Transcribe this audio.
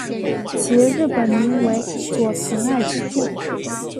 其日本名为佐藤爱之助。